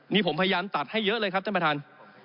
นี่ผมพยายามตัดให้เยอะเลยครับท่านประธาน